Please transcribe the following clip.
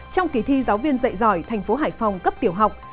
trong kỳ thi giáo viên dạy giỏi thành phố hải phòng cấp tiểu học